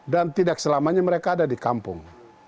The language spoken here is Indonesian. dan tidak selamanya mereka ada di kampung